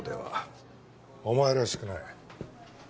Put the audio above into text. お前らしくない。